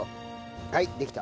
はいできた。